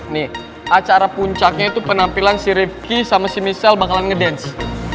nih acara puncaknya itu penampilan si rivki sama si michelle bakalan ngedance